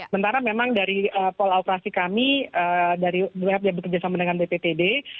bentar memang dari pola operasi kami dari web yang bekerja sama dengan bptd